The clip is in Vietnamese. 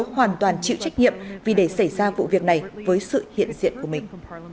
hoàn toàn chịu trách nhiệm vì để xảy ra vụ việc này với sự hiện diện của mình